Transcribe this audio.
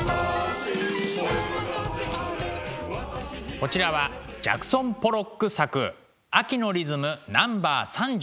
こちらはジャクソン・ポロック作「秋のリズム：ナンバー３０」。